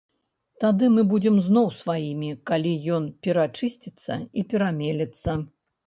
Тады мы будзем зноў сваімі, калі ён перачысціцца і перамелецца.